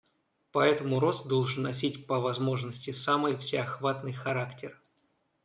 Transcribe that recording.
Поэтому рост должен носить по возможности самый всеохватный характер.